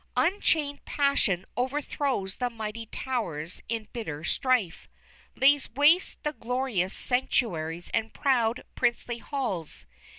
Unchained passion overthrows the mighty towers in bitter strife, lays waste the glorious sanctuaries and proud, princely halls.